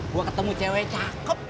gue ketemu cewek cakep